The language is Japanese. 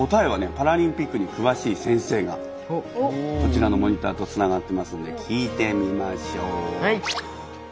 パラリンピックに詳しい先生がこちらのモニターとつながってますので聞いてみましょう。